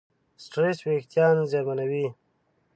سټرېس وېښتيان زیانمنوي.